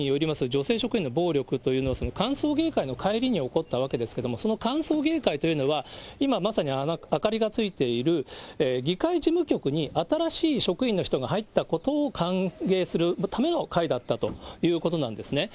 女性職員の暴力というのは、歓送迎会の帰りに起こったわけですけれども、その歓送迎会というのは、今まさにあの明かりがついている議会事務局に新しい職員の人が入ったことを歓迎するための会だったということなんですね。